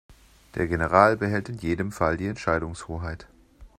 Der General behält in jedem Fall die Entscheidungshoheit.